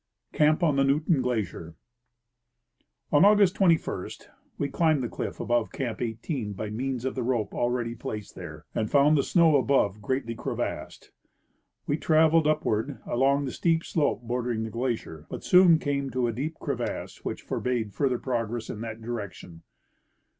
Camp on the Newton Glacier. On August 21 we climbed the cliff above Camp 18 by means of the rope already placed there, and found the snow above greatly crevassed. We traveled upward along the steep slope bordering the glacier, but soon came to a deep crevasse which forbade further progress in that direction.